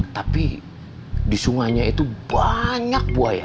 tapi di sungainya itu banyak buaya